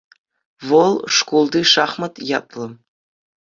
Вӑл «Шкулти шахмат» ятлӑ.